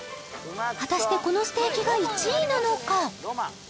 果たしてこのステーキが１位なのか？